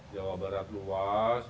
jawa barat luas